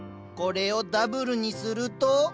これをダブルにすると。